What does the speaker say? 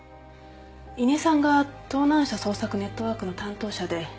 伊根さんが盗難車捜索ネットワークの担当者で。